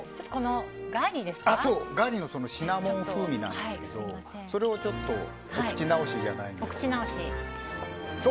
ガリがシナモン風味なんですけどそれをお口直しじゃないんですけれど。